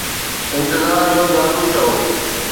انتظار جو جادو چئو